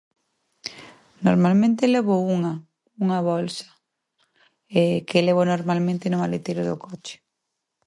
Normalmente, levo unha, unha bolsa, que levo, normalmente, no maleteiro do coche.